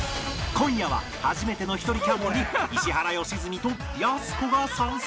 今夜は初めてのひとりキャンプに石原良純とやす子が参戦！